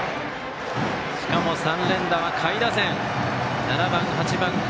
しかも３連打は下位打線。